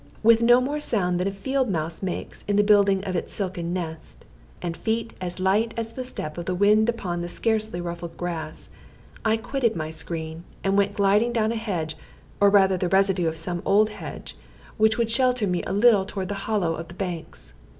With no more sound than a field mouse makes in the building of its silken nest, and feet as light as the step of the wind upon the scarcely ruffled grass, I quitted my screen, and went gliding down a hedge, or rather the residue of some old hedge, which would shelter me a little toward the hollow of the banks.